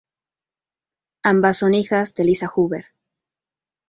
Ambas son hijas de Liza Huber.